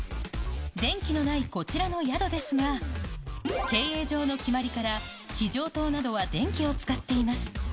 電気のないこちらの宿ですが、経営上の決まりから、非常灯などは電気を使っています。